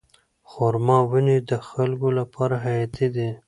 خورما ونې د خلکو لپاره حیاتي دي.